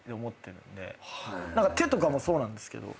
手とかもそうなんですけど